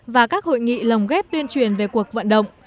và các hội nghị lồng ghép tuyên truyền về cuộc vận động